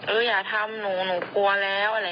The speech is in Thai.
อื้อยากทำหนูหนูกลัวแล้ว